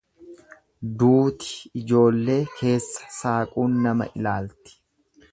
Duuti ijoollee keessa saaquun nama ilaalti.